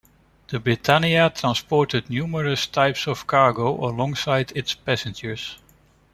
The Britannia transported numerous types of cargo alongside its passengers.